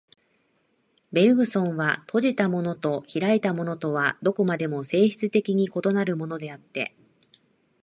ベルグソンは、閉じたものと開いたものとはどこまでも性質的に異なるものであって、